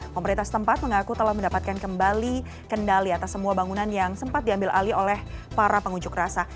pemerintah setempat mengaku telah mendapatkan kembali kendali atas semua bangunan yang sempat diambil alih oleh para pengunjuk rasa